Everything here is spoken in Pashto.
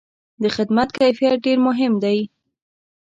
د خدمت کیفیت ډېر مهم دی.